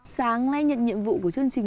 sáng nay nhận nhiệm vụ của chương trình